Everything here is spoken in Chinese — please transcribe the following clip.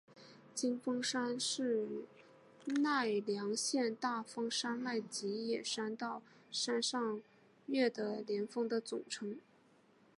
金峰山是奈良县大峰山脉吉野山到山上岳的连峰的总称。